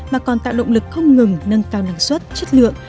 mà còn tạo động lực không ngừng nâng cao năng suất chất lượng